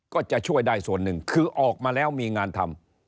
ก็จะช่วยได้ส่วนหนึ่งคือออกมาแล้วมีงานทำ